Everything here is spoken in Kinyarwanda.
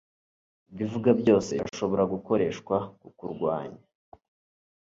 Ibyo uvuga byose birashobora gukoreshwa kukurwanya